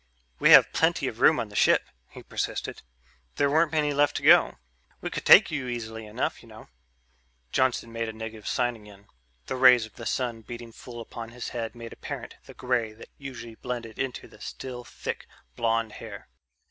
"We have plenty of room on the ship," he persisted. "There weren't many left to go. We could take you easily enough, you know." Johnson made a negative sign again. The rays of the sun beating full upon his head made apparent the grey that usually blended into the still thick blond hair.